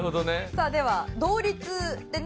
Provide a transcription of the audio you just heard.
さあでは同率でね